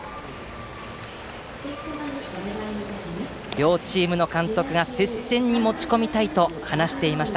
両チームの監督が接戦に持ち込みたいと話していました